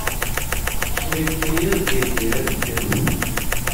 Kra yekka yiḍ d lgerra tekkat.